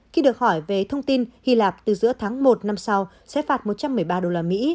khi được hỏi về thông tin hy lạp từ giữa tháng một năm sau sẽ phạt một trăm một mươi ba đô la mỹ